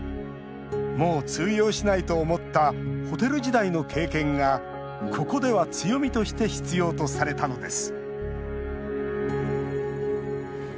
もう通用しないと思ったホテル時代の経験がここでは、強みとして必要とされたのです